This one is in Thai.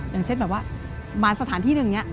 อย่างเช่นแบบว่ามาสถานที่หนึ่งเนี่ย